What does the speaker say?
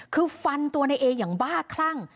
คือฟันตัวในเออย่างบ้าคลั่ง